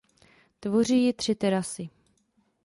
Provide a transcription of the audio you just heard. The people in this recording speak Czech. Tvoří ji tři terasy.